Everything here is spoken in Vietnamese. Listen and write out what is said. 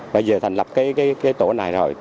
bây giờ thành lập cái tổ này rồi